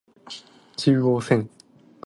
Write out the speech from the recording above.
中央線